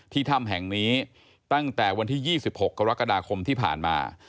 ถ้ำแห่งนี้ตั้งแต่วันที่๒๖กรกฎาคมที่ผ่านมา